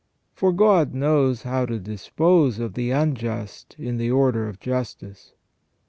For God knows how to dispose of the unjust in the order of justice.